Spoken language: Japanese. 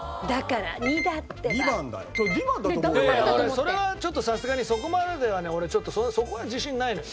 それはちょっとさすがにそこまではね俺ちょっとそこは自信ないのよ。